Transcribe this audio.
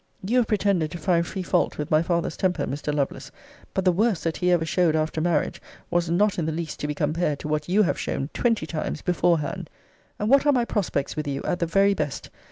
You have pretended to find free fault with my father's temper, Mr. Lovelace: but the worst that he ever showed after marriage, was not in the least to be compared to what you have shown twenty times beforehand. And what are my prospects with you, at the very best?